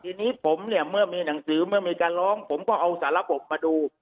ทีนี้ผมเนี่ยเมื่อมีหนังสือเมื่อมีการร้องผมก็เอาสารบกมาดู